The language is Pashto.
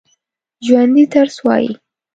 ژوندي درس وايي